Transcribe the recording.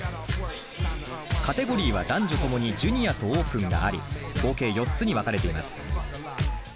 カテゴリーは男女ともにジュニアとオープンがあり合計４つに分かれています。